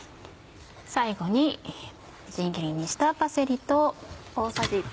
最後にみじん切りにしたパセリと。